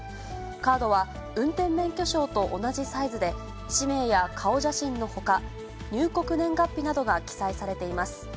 カードは、運転免許証と同じサイズで、氏名や顔写真のほか、入国年月日などが記載されています。